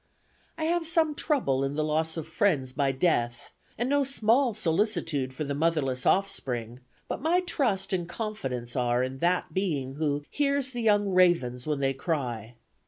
I have some troubles in the loss of friends by death, and no small solicitude for the motherless offspring, but my trust and confidence are in that being who 'hears the young ravens when they cry.'